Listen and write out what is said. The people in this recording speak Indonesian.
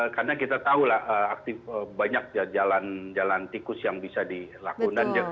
karena kita tahu lah banyak jalan tikus yang bisa dilakukan